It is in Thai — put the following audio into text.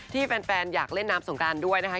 แฟนอยากเล่นน้ำสงการด้วยนะคะ